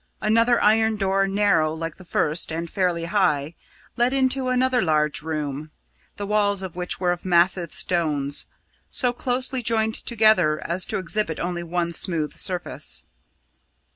Another iron door, narrow like the first and fairly high, led into another large room, the walls of which were of massive stones, so closely joined together as to exhibit only one smooth surface.